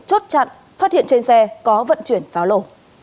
chốt chặn phát hiện trên xe có vận chuyển pháo lậu